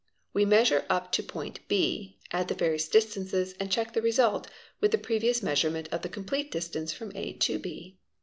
We measure up to point 6, add the various distances, and check — the result with the previous measurement of the complete distance fror 7 atob.